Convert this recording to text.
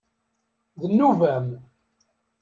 D nnuba-m.